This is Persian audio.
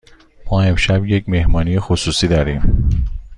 ما امشب یک مهمانی خصوصی داریم.